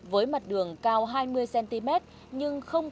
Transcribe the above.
với mặt đường cao hai mươi cm nhưng không